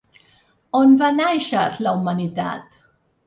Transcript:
On va nàixer la humanitat?